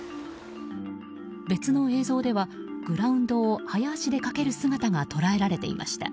別の映像ではグラウンドを早足で駆ける姿が捉えられていました。